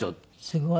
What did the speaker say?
すごい。